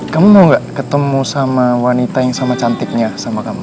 kamu mau gak ketemu sama wanita yang sama cantiknya sama kamu